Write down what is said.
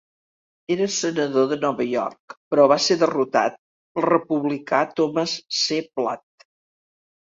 Era senador de Nova York, però va ser derrotat pel republicà Thomas C. Platt.